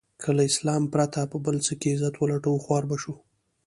که له اسلام پرته په بل څه کې عزت و لټوو خوار به شو.